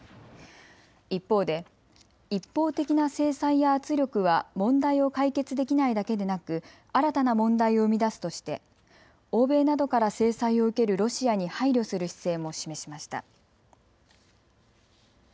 一方で一方的な制裁や圧力は問題を解決できないだけでなく新たな問題を生み出すとして欧米などから制裁を受けるロシアに配慮する姿勢も示しました。